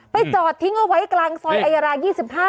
จอดทิ้งเอาไว้กลางซอยอายารา๒๕